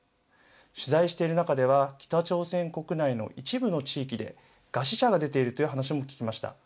取材している中では北朝鮮国内の一部の地域で餓死者が出ているという話も聞きました。